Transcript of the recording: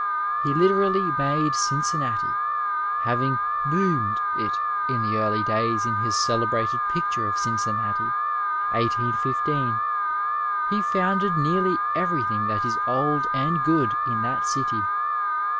He literally made Cincinnati, having '* boomed '^ it in the early days in his celebrated Picture of (Snoinnaiit 1816. He founded nearly everything that is old and good in that cily.